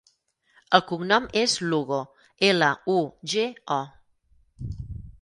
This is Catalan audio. El cognom és Lugo: ela, u, ge, o.